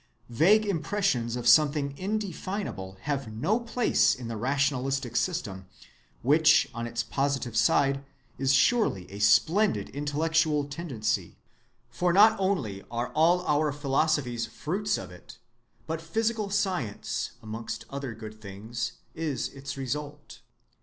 Vague impressions of something indefinable have no place in the rationalistic system, which on its positive side is surely a splendid intellectual tendency, for not only are all our philosophies fruits of it, but physical science (amongst other good things) is its result.